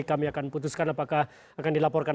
kami akan putuskan apakah akan dilaporkan